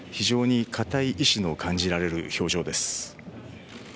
非常に堅い意思の感じられる表情です。